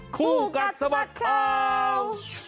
คู่กันสมัครข่าว